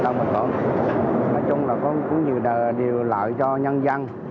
nói chung là có nhiều điều lợi cho nhân dân